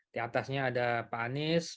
di atasnya ada pak anies